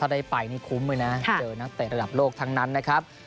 ได้ไปนี่คุ้มเลยนะเจอนักเตะระดับโลกทั้งนั้นนะครับ